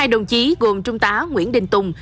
hai đồng chí gồm trung tá nguyễn đình tùng